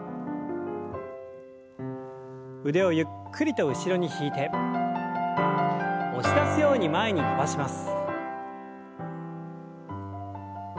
腕をゆっくりと後ろに引いて押し出すように前に伸ばします。